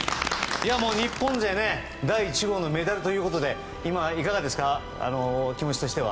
日本勢第１号のメダルということでいかがですか？